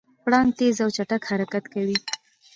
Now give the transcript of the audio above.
پړانګ تېز او چټک حرکت کوي.